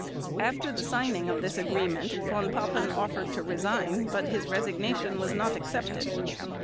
After the signing of this agreement Von Papen offered to resign, but his resignation was not accepted.